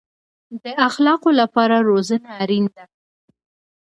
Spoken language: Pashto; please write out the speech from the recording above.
د اخلاقو لپاره روزنه اړین ده